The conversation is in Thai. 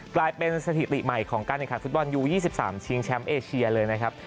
กลายเป็นสถิติใหม่ของการเนคาร์ฟุตบอลยูยี่สิบสามชิงแชมป์เอเชียเลยนะครับ